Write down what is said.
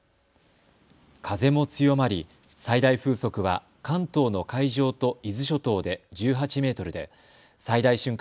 風も強まり最大風速は関東の海上と伊豆諸島で１８メートルで最大瞬間